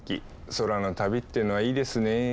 空の旅っていうのはいいですね。